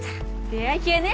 出会い系ね。